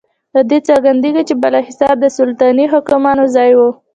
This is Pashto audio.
له دې څرګندیږي چې بالاحصار د سلطنتي حاکمانو ځای و.